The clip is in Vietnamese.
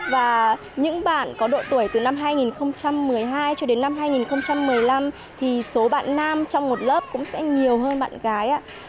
và những bạn có độ tuổi từ năm hai nghìn một mươi hai cho đến năm hai nghìn một mươi năm thì số bạn nam trong một lớp cũng sẽ nhiều hơn bạn gái